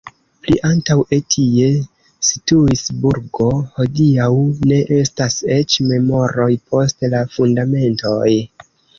Pli antaŭe tie situis burgo, hodiaŭ ne estas eĉ memoroj post la fundamentoj.